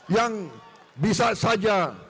yang bisa saja